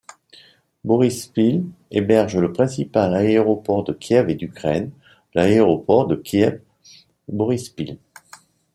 Boryspil héberge le principal aéroport de Kiev et d'Ukraine, l'aéroport de Kiev Boryspil.